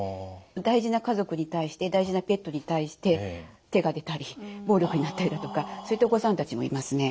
大事な家族に対して大事なペットに対して手が出たり暴力になったりだとかそういったお子さんたちもいますね。